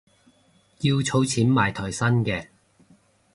要儲錢買台新嘅